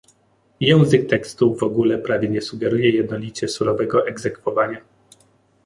Język tekstu w ogóle prawie nie sugeruje jednolicie surowego egzekwowania